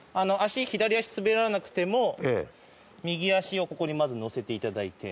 左足滑らなくても右足をここにまずのせていただいて。